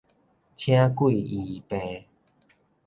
請鬼醫病